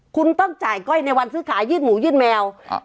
คุณต้องจ่ายก้อยในวันซื้อขายยื่นหมูยื่นแมวอ่า